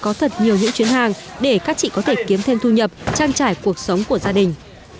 các chị có thể tôn vinh nhiều những chuyến hàng để các chị có thể kiếm thêm thu nhập trang trải cuộc sống của gia đình